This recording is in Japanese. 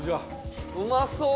うまそう！